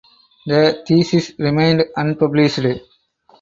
The thesis remained unpublished.